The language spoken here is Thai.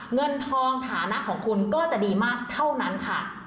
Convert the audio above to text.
เงินทองฐานะของคุณก็จะดีมากเท่านั้นค่ะ